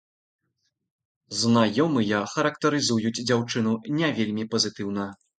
Знаёмыя характарызуюць дзяўчыну не вельмі пазітыўна.